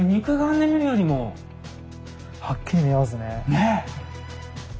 ねえ！